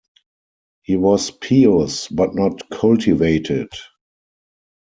He was pious but not cultivated.